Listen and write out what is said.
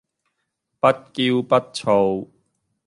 不驕不躁